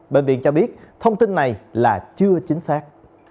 bệnh viện cho biết thông tin này là chưa chính xác